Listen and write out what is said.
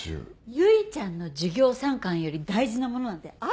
唯ちゃんの授業参観より大事なものなんてある？